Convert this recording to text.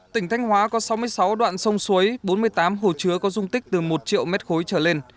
tỉnh thanh hóa có sáu mươi sáu đoạn sông suối bốn mươi tám hồ chứa có dung tích từ một triệu m ba trở lên